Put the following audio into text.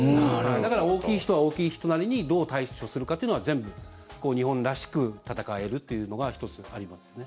だから大きい人は大きい人なりにどう対処するかというのが全部、日本らしく戦えるというのが１つありますね。